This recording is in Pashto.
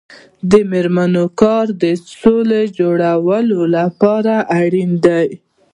د میرمنو کار د سولې جوړولو لپاره اړین دی.